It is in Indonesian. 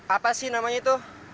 apa sih namanya itu